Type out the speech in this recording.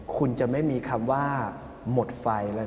คุณจะไม่มีคำว่าหมดไฟ